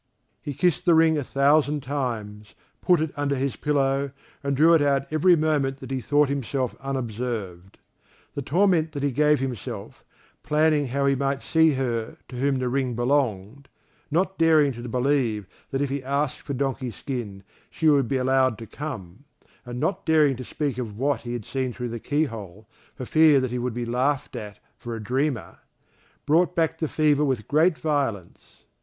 He kissed the ring a thousand times, put it under his pillow, and drew it out every moment that he thought himself unobserved. The torment that he gave himself, planning how he might see her to whom the ring belonged, not daring to believe that if he asked for Donkey skin she would be allowed to come, and not daring to speak of what he had seen through the keyhole for fear that he would be laughed at for a dreamer, brought back the fever with great violence.